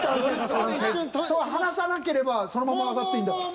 離さなければそのまま上がっていいんだから。